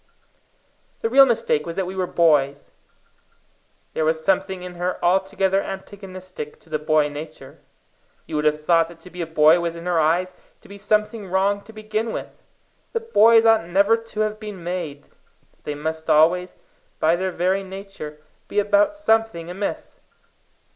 The real mistake was that we were boys. There was something in her altogether antagonistic to the boy nature. You would have thought that to be a boy was in her eyes to be something wrong to begin with; that boys ought never to have been made; that they must always, by their very nature, be about something amiss.